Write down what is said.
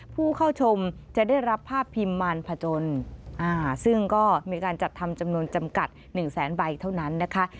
ผู้เข้าชมจะได้รับภาพพิมพ์มารพจนซึ่งก็มีการจัดทำจำนวนจำกัด๑แสนใบเท่านั้นนะคะ